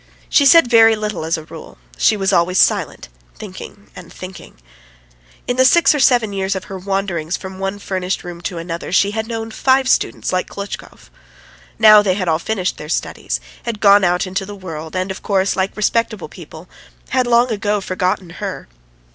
She said very little as a rule; she was always silent, thinking and thinking. ... In the six or seven years of her wanderings from one furnished room to another, she had known five students like Klotchkov. Now they had all finished their studies, had gone out into the world, and, of course, like respectable people, had long ago forgotten her.